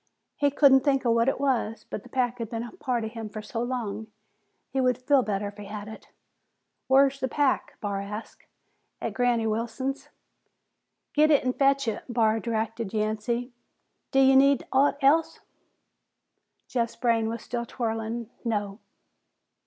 He couldn't think of what it was, but the pack had been a part of him for so long that he would feel better if he had it. "Whar's the pack?" Barr asked. "At Granny Wilson's." "Get it an' fetch it," Barr directed Yancey. "D'ye need aught else?" Jeff's brain was still whirling. "No."